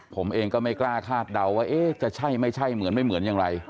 ผมเองก็ไม่กล้าคาดเดาว่าจะใช่ไม่ใช่เหมือนไม่เหมือนอย่างไร